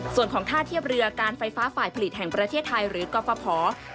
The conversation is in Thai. ส่วนของท่าเทียบเรือการไฟฟ้าฝ่ายผลิตแห่งประเทศไทยหรือกรฟภ